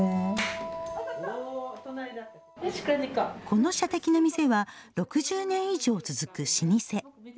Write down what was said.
この射的の店は６０年以上続く老舗。